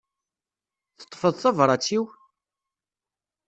Teṭṭfeḍ tabrat-iw?